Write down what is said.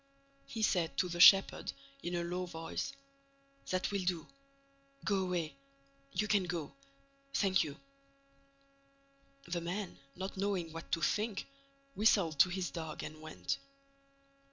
He said to the shepherd, in a low voice: "That will do—go away—you can go—thank you." The man, not knowing what to think, whistled to his dog and went.